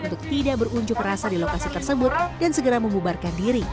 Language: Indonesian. untuk tidak berunjuk rasa di lokasi tersebut dan segera membubarkan diri